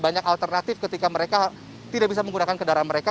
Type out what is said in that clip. banyak alternatif ketika mereka tidak bisa menggunakan kendaraan mereka